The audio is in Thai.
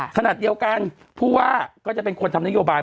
ขณะเดียวกันผู้ว่าก็จะเป็นคนทำนโยบาย